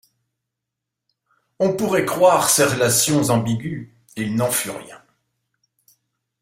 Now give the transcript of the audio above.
On pourrait croire ces relations ambiguës; il n'en fut rien.